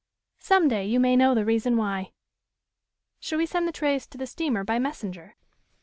Some day you may know the reason why ... Shall we send the trays to the steamer by messenger?"